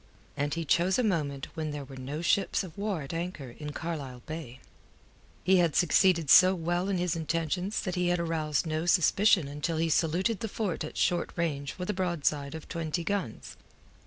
And he chose a moment when there were no ships of war at anchor in Carlisle Bay. He had succeeded so well in his intentions that he had aroused no suspicion until he saluted the fort at short range with a broadside of twenty guns.